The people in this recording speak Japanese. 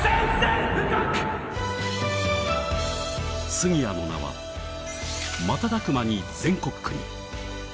杉谷の名は瞬く間に全国区に